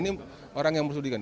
ini orang yang meresmikan